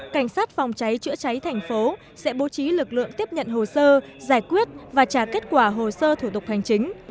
cảnh sát phòng cháy chữa cháy thành phố sẽ bố trí lực lượng tiếp nhận hồ sơ giải quyết và trả kết quả hồ sơ thủ tục hành chính